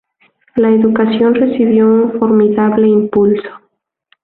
La educación recibió un formidable impulso.